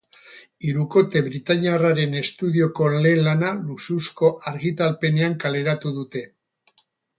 Hirukote britainairraren estudioko lehen lana luxuzko argitalpenean kaleratu dute.